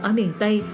ở miền tây